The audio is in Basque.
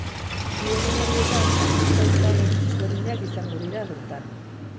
Bi egun horietan, artista ezagun ezberdinak izango dira bertan.